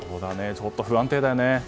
ちょっと不安定だよね。